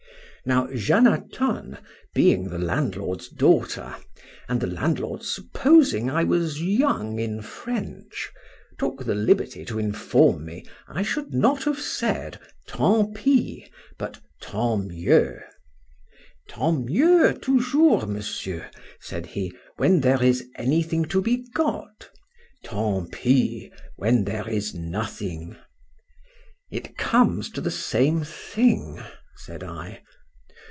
Now Janatone, being the landlord's daughter, and the landlord supposing I was young in French, took the liberty to inform me, I should not have said tant pis—but, tant mieux. Tant mieux, toujours, Monsieur, said he, when there is any thing to be got—tant pis, when there is nothing. It comes to the same thing, said I.